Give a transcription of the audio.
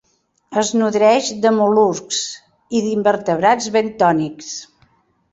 Es nodreix de mol·luscs i d'invertebrats bentònics.